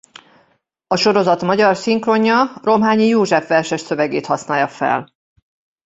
A sorozat magyar szinkronja Romhányi József verses szövegét használja fel.